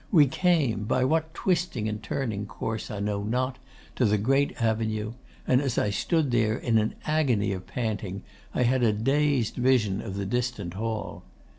We came, by what twisting and turning course I know not, to the great avenue, and as I stood there in an agony of panting I had a dazed vision of the distant Hall.